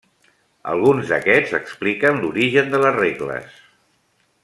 Alguns d'aquests expliquen l'origen de les regles.